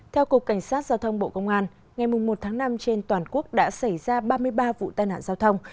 theo cục cảnh sát giao thông bộ công an ngày một tháng năm trên toàn quốc đã xảy ra ba mươi ba vụ tai nạn giao thông